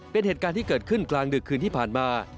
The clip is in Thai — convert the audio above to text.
เป็นเหตุการณ์ที่เกิดขึ้นกลางดึกคืนที่ผ่านมา